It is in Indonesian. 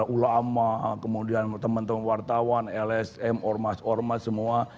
ulama kemudian teman teman wartawan lsm ormas ormas semua